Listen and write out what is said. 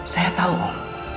saya tahu om